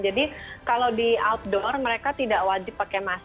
jadi kalau di outdoor mereka tidak wajib pakai maskapai